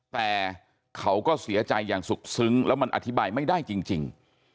แต่เขาก็เสียใจอย่างสุขซึ้งแล้วมันอธิบายไม่ได้จริง